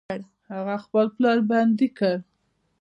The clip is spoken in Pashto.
هغه خپل پلار بندي کړ.